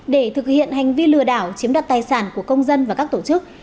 để thực hiện hành vi lừa đảo chiếm đoạt tài sản của công dân và các tổ chức